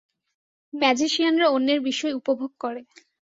ম্যাজিশিয়ানরা অন্যের বিস্ময় উপভোগ করে।